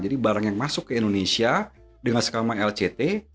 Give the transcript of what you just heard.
jadi barang yang masuk ke indonesia dengan sekamang lct